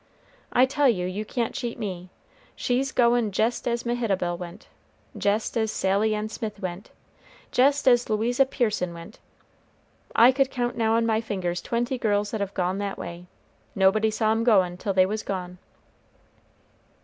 I tell you you can't cheat me, she's goin' jest as Mehitabel went, jest as Sally Ann Smith went, jest as Louisa Pearson went. I could count now on my fingers twenty girls that have gone that way. Nobody saw 'em goin' till they was gone."